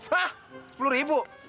hah sepuluh ribu